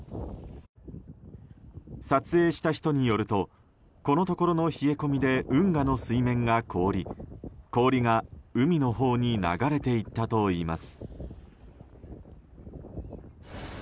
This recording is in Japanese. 撮影した人によるとこのところの冷え込みで運河の水面が凍り氷が海のほうに流れていったといいます。